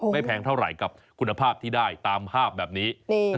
แพงเท่าไหร่กับคุณภาพที่ได้ตามภาพแบบนี้